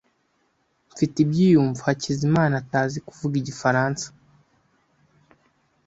Mfite ibyiyumvo Hakizimana atazi kuvuga igifaransa.